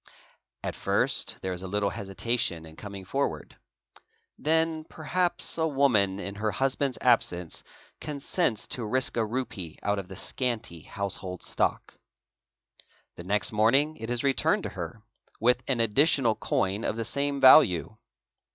At first there is a little hesitation in coming forward. 'Then perhaps a woman in her husband's absence consents to risk a rupee out of the scanty house hold stock. The next morning it is returned to her with an additional coin of the same value.